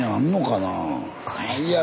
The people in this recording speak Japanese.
ないやろ。